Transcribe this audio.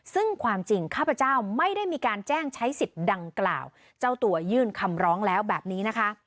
ซึ่งความจริงข้าพเจ้าไม่ได้มีการแจ้งใช้สิทธิ์ดังกล่าวเจ้าตัวยื่นคำร้องแล้วแบบนี้นะคะ